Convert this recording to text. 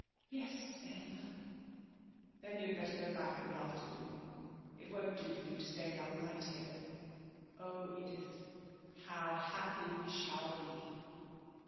'Yes, Aylmer.' 'Then you'd better go back in the afternoon. It won't do for you to stay another night here. Oh, Edith, how happy we shall be!'